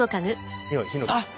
あっ！